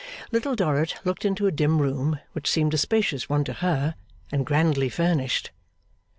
Little Dorrit looked into a dim room, which seemed a spacious one to her, and grandly furnished.